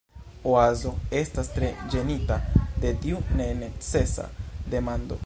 Oazo estas tre ĝenita de tiu nenecesa demando.